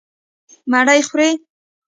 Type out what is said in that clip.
_مړۍ خورې؟